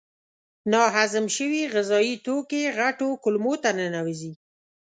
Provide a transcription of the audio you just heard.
ناهضم شوي غذایي توکي غټو کولمو ته ننوزي.